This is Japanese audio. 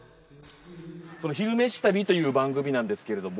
「昼めし旅」という番組なんですけれども。